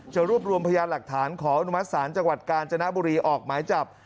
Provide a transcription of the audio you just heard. รวบรวมพยานหลักฐานขออนุมัติศาลจังหวัดกาญจนบุรีออกหมายจับ